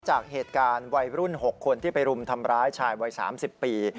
จากเหตุการณ์วัยรุ่น๖คนที่ไปรุมทำร้ายชายวัย๓๐ปี